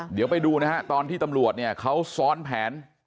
เดี๋ยวไปดูนะฮะตอนที่ตำรวจเนี่ยเขาซ้อนแผน